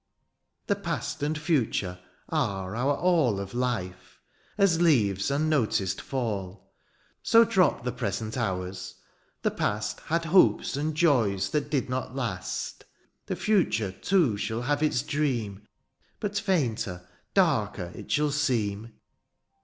"The past and future are our all '' Of life — as leaves unnoticed fall, '* So drop the present hours — ^the past *' Had hopes and joys that did not last ;" The future, too, shall have its dream, " But fainter, darker, it shall seem.